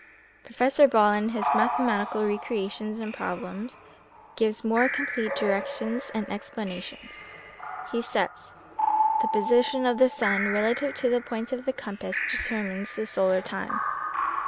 Professor Ball, in his " Mathematical Recreations and Problems," gives more complete directions and explanations. He says :" The position of the sun relative to the points of the compass determines the solar time.